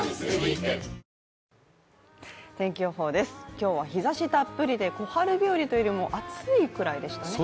今日は日ざしたっぷりで小春日和というよりも暑いくらいでしたね。